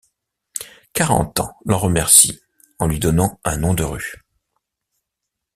Carentan l'en remercie en lui donnant un nom de rue.